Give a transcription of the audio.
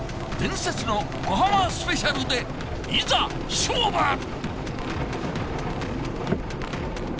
伝説の小浜スペシャルでいざ勝負！